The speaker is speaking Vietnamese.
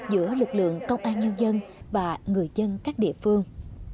giữa lực lượng công an nhân dân và người dân các địa phương